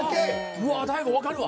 うわ大悟わかるわ。